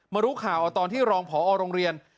รู้ข่าวตอนที่รองผอโรงเรียน